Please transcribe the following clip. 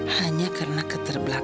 hanya karena keterbelakangan